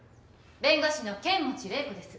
弁護士の剣持麗子です。